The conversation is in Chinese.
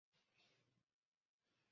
判断这封信是否重要